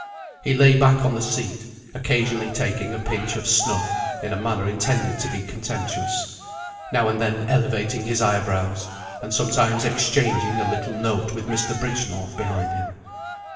He lay back on the seat, occasionally taking a pinch of snuff in a manner intended to be contemptuous; now and then elevating his eyebrows, and sometimes exchanging a little note with Mr. Bridgenorth behind him.